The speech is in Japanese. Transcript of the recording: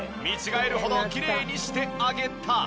見違えるほどきれいにしてあげた。